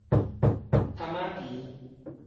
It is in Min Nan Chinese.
潭仔墘